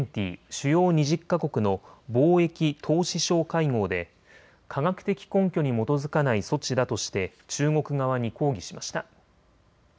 主要２０か国の貿易・投資相会合で科学的根拠に基づかない措置だとして中国側に抗議しました。